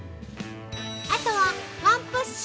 ◆あとはワンプッシュ。